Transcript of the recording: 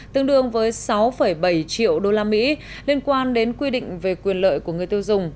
tương đương với sáu bảy triệu usd liên quan đến quy định về quyền lợi của người tiêu dùng